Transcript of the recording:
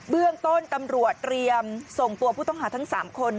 เบื้องต้นตำรวจเตรียมส่งตัวผู้ต้องหาทั้ง๓คน